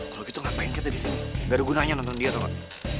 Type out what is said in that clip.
kalau gitu gak pengen kita di sini gak ada gunanya nonton dia tau gak